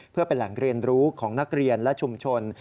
เพื่อเป็นแหล่งเรียนรู้ของนักเรียนและชุมชน